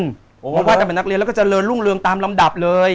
ผมมาไหว้ตั้งแต่เป็นนักเรียนแล้วก็เจริญรุ่งเรืองตามลำดับเลย